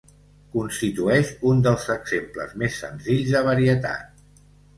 Constitueix un dels exemples més senzills de varietat.